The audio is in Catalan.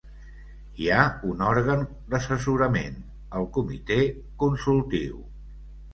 Hi ha un òrgan d'assessorament, el Comitè Consultiu.